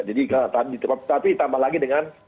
jadi kalau tadi ditempatkan tapi ditambah lagi dengan